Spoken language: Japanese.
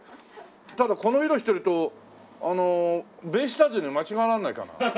ただこの色してるとベイスターズに間違えられないかな？